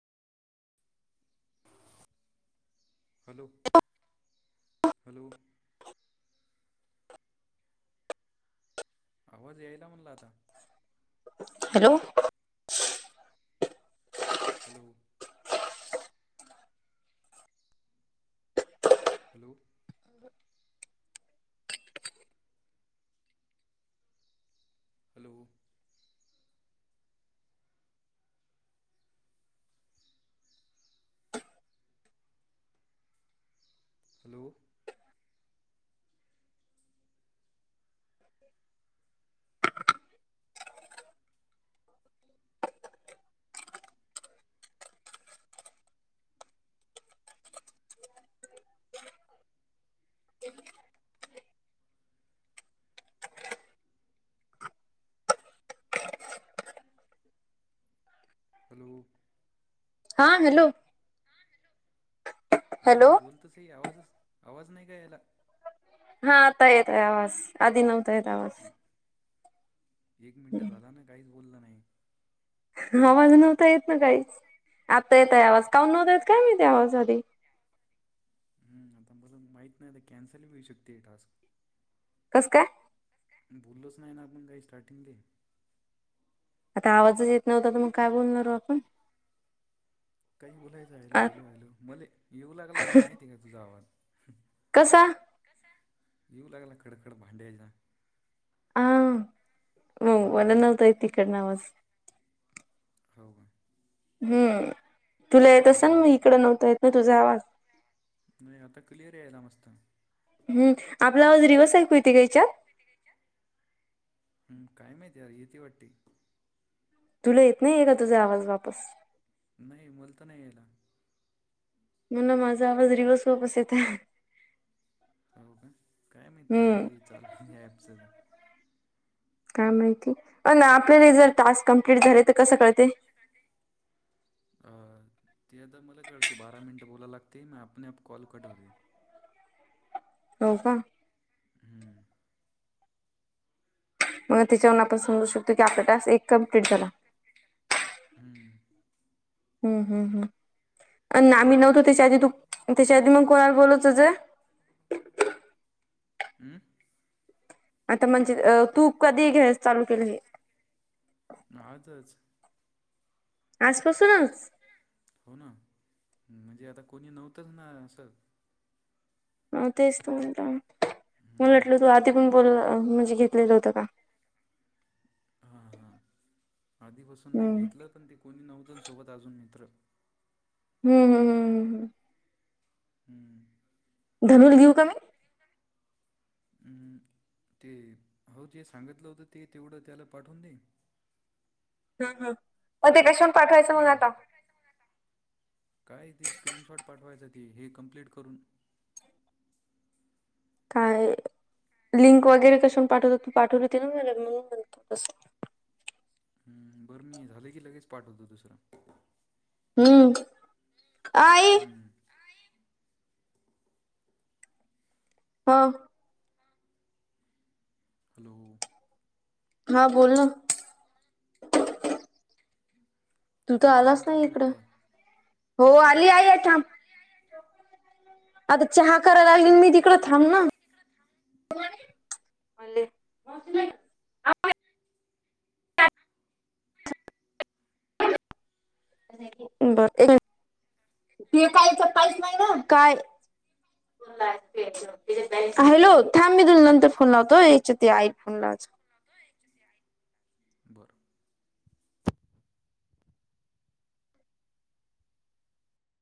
Hello hello. आवाज यायला म्हणला आता. Hello. Hello. Hello. Hello. Hello. [inaudible] [inaudible] [inaudible] Hello. हां हॅलो. अरे हॅलो काही बोलत सई आवाजच आवाज नाही का याला. हा आता येत आहे आवाज आधी नव्हता येत आवाज. एक मिनिट हम्म झाला ना काहीच बोललं नाही. आवाज नव्हता येत ना काही आत्ता येत आहे आवाज काऊन नव्हता येत काय मी त्या आवाज आधी. हम्म आता मला माहीत नाही आता कॅन्सल बी होऊ शकते हे टास्क. कसं का? बोललच नाही ना आपण काही स्टार्टिंग ते. आता आवाजच येत नव्हता तर मग काय बोलणार हो आपण. काही बोलायचं हॅलो हॅलो हॅलो मले येऊ लागला पण माहिती नाही तुझा आवाज. कसां? कसा येऊ लागला खंड खंड भांड्याचा. हम्म हो वला हम्म नव्हता येत तिकडनं आवाज. हव का. हम्म तुला येत असंन मग हम्म इकड नव्हता येत ना तुझा आवाज. नाही आता क्लिअर यायला मस्त. हम्म आपला आवाज रिवस ऐकू येते का याच्यात. हम्म काय माहिती यार येती वाट्टे. तुले येत नाहीे का तुझा आवाज वापस. नाही मला तर नाही यायला. म्हण माझा आवाज रीवस वापस येतंय. हो का काय माहित हम्म काय चाललं या ॲपचं त. काय माहिती आहे अण आपल्याला जर टास्क कंप्लीट झाले तर कसं कळते. अ ते आता मला कळते बारा मिनटं बोलायला लागते मग आपण आप कॉल कट होते. होव का. हम्म. मग त्याच्यावरून आपण समजू शकतो की आपला टास्क एक कमप्लीट झाला. हम्म. हा हा हा पण ते आम्ही आप नव्हतो त्याच्या आधी तू त्याच्या आधी मग कोणाला बोलात होतं. हम्म. आता म्हणजे तू कधी घ्या चालू केलं हे. आजच. आजपासून. हो ना म्हणजे आता कोणी नव्हतंच ना असं. हो तेच त म्हटलं मला हम्म. वाटलं तू आधी पण बोल [unintelligible] म्हणजे घेतलेलं होतं का. हा हा हा आधीपासून नाही हम्म घेतलं पण ते कोणी नव्हतं ना सोबत अजून मित्र. हम्म हम्म हम्म हम्म हम्म. हम्म. धनूल देऊ का मी? अम ते हो जे सांगितलं होतं ते तेवढं त्याला पाठवून दे. [unintelligible] मग ते कशाला पाठवायचं मग हां. आता. काय ती स्क्रीनशॉट पाठवायचं ते हे कंम्प्लीट करून. काय लिंक वगैरे कशानं पाठवत तू पाठवली होती ना म्हणून. [unintelligible] हम्म बरं मी हे झालं की लगेच पाठवतो दुसरा. हम्म अय हूं! हं! हॅलो! हा बोल ना. तू त काय कामं आलाच नाही चालू आहेत इकडं काय हो कुठं आली आई ये थांब. अगं चहा करायला लागली मी तिकडं थांब ना. तिकडं थांब. म्हणले मावशीला. बर ते काही काईच नाही ना काय. [unintelligible] हॅलो थांब मी तुला नंतर फोन लावतो. याच्या त्या आईला फोन लावायचा. बरं